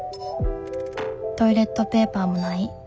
トイレットペーパーもない。